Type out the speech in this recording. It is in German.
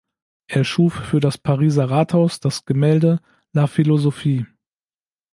Er schuf für das Pariser Rathaus das Gemälde „La Philosophie“.